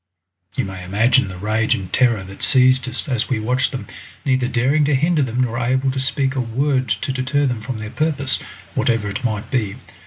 You may imagine the rage and terror that seized us as we watched them, neither daring to hinder them nor able to speak a word to deter them from their purpose, whatever it might be.